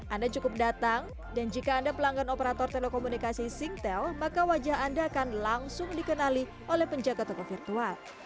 anda cukup datang dan jika anda pelanggan operator telekomunikasi singtel maka wajah anda akan langsung dikenali oleh penjaga toko virtual